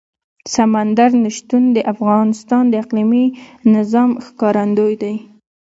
سمندر نه شتون د افغانستان د اقلیمي نظام ښکارندوی ده.